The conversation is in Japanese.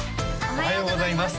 おはようございます